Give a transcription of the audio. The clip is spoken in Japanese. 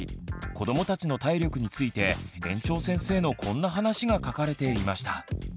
子どもたちの体力について園長先生のこんな話が書かれていました。